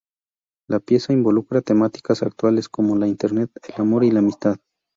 La pieza involucra temáticas actuales, como la Internet, el amor y la amistad.